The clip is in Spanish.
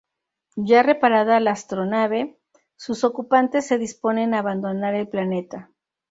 Ya reparada la astronave, sus ocupantes se disponen a abandonar el planeta.